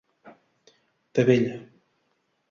Tavella: